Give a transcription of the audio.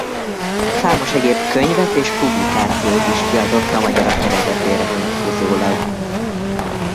Számos egyéb könyvet és publikációt is kiadott a magyarok eredetére vonatkozólag.